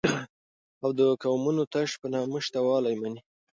او دقومونو تش په نامه شته والى مني